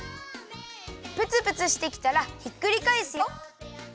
プツプツしてきたらひっくりかえすよ。